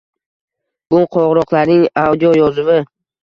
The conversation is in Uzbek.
— Bu qoʻngʻiroqlarning audioyozuvi.